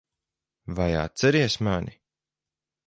Vai atceries mani?